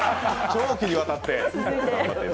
長期にわたって。